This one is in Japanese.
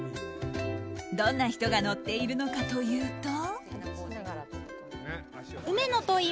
どんな人が乗っているのかというと。